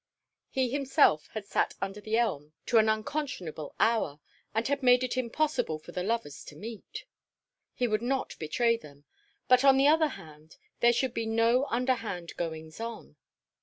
He himself had sat under the elm to an unconscionable hour, and had made it impossible for the lovers to meet. He would not betray them, but on the other hand there should be no underhand goings on.